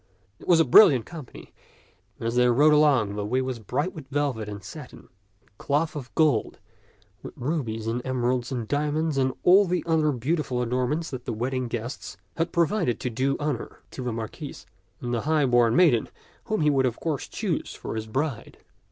It was a brilliant company, and as they rode along the way was bright with velvet and satin and cloth of gold, with rubies and emeralds and diamonds and all the other beau tiful adornments that the wedding guests had pro vided to do honor to the Marquis and the high born maiden whom he would of course choose for his bride.